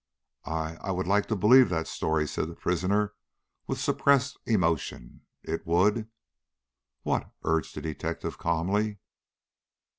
"I I would like to believe that story," said the prisoner, with suppressed emotion. "It would " "What?" urged the detective, calmly.